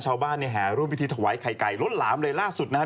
ชาวบ้านเนี่ยแห่ร่วมพิธีถวายไข่ไก่ล้นหลามเลยล่าสุดนะฮะ